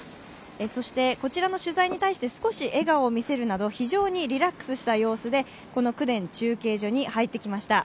そしてこちらの取材に対して少し笑顔を見せるなど非常にリラックスした様子でこの公田中継所に入ってきました。